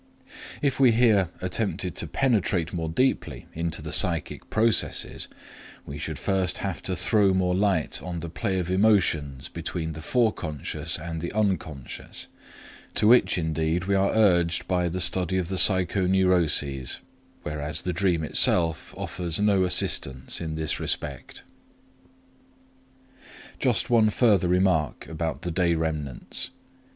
If we here attempted to penetrate more deeply into the psychic processes, we should first have to throw more light on the play of emotions between the foreconscious and the unconscious, to which, indeed, we are urged by the study of the psychoneuroses, whereas the dream itself offers no assistance in this respect. Just one further remark about the day remnants.